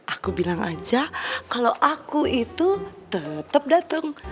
aku bilang aja kalau aku itu tetap datang